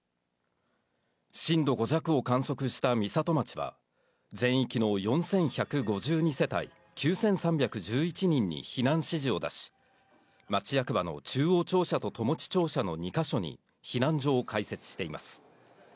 震度５弱を観測した美里町は、全域の４１５２世帯９３１１人に避難指示を出し、町役場の中央庁舎と砥用庁舎の２か所に避難所を開設しています。